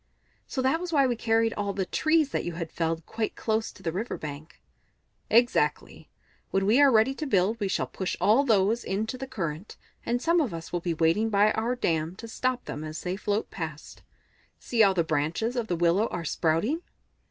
"So that was why we carried all the trees that you had felled quite close to the river bank?" "Exactly. When we are ready to build we shall push all those into the current, and some of us will be waiting by our dam to stop them as they float past. See how the branches of the willow are sprouting!"